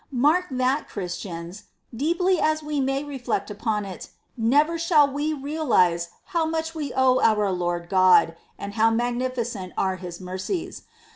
Mark that. Christians ! Deeply as we may reflect upon it, never shall we realise how much we owe our Lord God and how magniñcent are His mercies.